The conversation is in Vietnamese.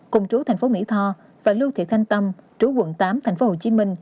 cùng chú tp mì tho và lưu thị thanh tâm chú quận tám tp hcm